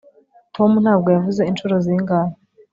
tom ntabwo yavuze inshuro zingahe